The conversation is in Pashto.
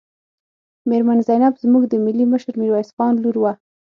میرمن زینب زموږ د ملي مشر میرویس خان لور وه.